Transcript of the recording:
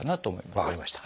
分かりました。